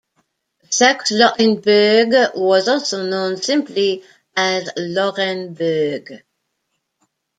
Saxe-Lauenburg was also known simply as Lauenburg.